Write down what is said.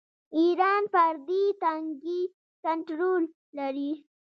ایران پر دې تنګي کنټرول لري.